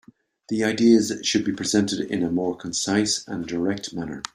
The ideas should be presented in a more concise and direct manner.